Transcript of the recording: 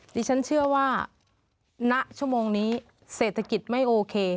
ดิฉันเชื่อว่าณชั่วโมงนี้เศรษฐกิจไม่โอเค